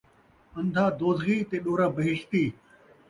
اندھا دوزخی تے ݙورا بہشتی